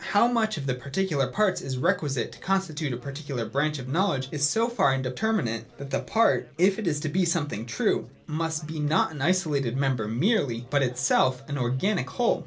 How much of the particular parts is requisite to con stitute a particular branch of knowledge is so far inde terminate, that the part, if it is to be something true, must be not an isolated member merely, but itself an organic whole.